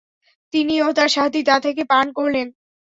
তিনি ও তার সাথী তা থেকে পান করলেন।